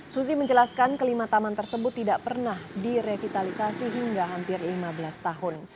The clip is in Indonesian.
susi menjelaskan kelima taman tersebut tidak pernah direvitalisasi hingga hampir lima belas tahun